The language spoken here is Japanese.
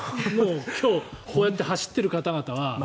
今日、こうやって走っている方々は。